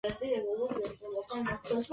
Esta versión fue criticada por Etta James.